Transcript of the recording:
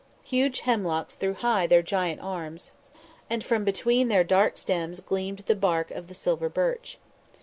Huge hemlocks threw high their giant arms, and from between their dark stems gleamed the bark of the silver birch.